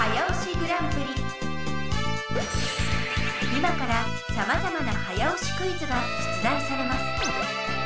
今からさまざまな早押しクイズが出だいされます。